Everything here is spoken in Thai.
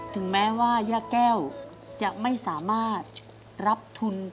ถึงแม้ว่าย่าแก้วจะไม่สามารถรับทุน